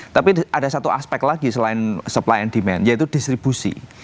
tapi ada satu aspek lagi selain supply and demand yaitu distribusi